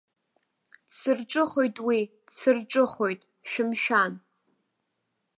Дсырҿыхоит уи, дсырҿыхоит, шәымшәан!